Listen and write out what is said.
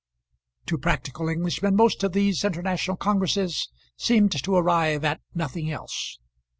To practical Englishmen most of these international congresses seem to arrive at nothing else.